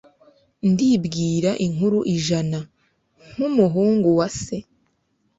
ndibwira inkuru ijana, nkumuhungu wa se